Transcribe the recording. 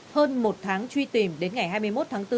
hơn một tháng truy tìm đến ngày hai mươi một tháng bốn